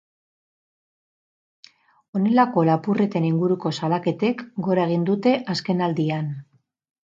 Honelako lapurreten inguruko salaketek gora egin dute azkenaldian.